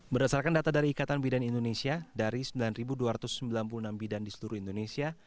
berdasarkan data dari ikatan bidan indonesia dari sembilan dua ratus sembilan puluh enam bidan di seluruh indonesia